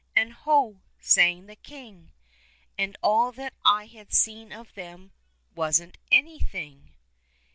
And Ho ! sang the king — And all that I had seen of them — Wasn't anything